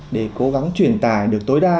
để cố gắng truyền tài được tối đa